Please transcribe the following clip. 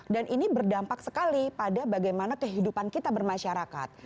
dan ini berdampak sekali pada bagaimana kehidupan kita bermasyarakat